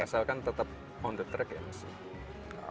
asalkan tetap on the track ya mas